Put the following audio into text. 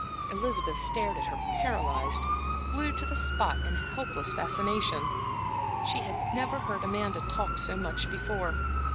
Elizabeth stared at her paralyzed, glued to the spot in helpless fascination. She had never heard Amanda talk so much before.